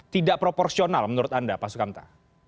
tidak proporsional menurut anda pak sukamta